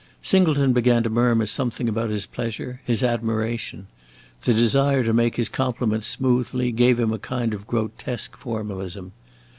Singleton began to murmur something about his pleasure, his admiration; the desire to make his compliment smoothly gave him a kind of grotesque formalism.